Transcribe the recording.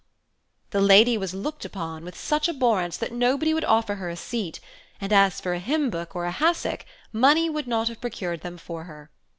The lady was looked upon with such abhorrence that nobody would offer her a seat, and as for a hymn book or a hassock, money would not have procured them for her.